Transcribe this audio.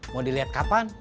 mau dilihat kapan